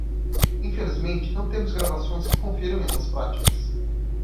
Infelizmente, não temos gravações que confirmem essas práticas.